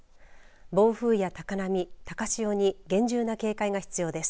暴風や高波高潮に厳重な警戒が必要です。